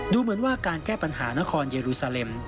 ดูเหมือนว่าการแก้ปัญหานครเยรูซาเลม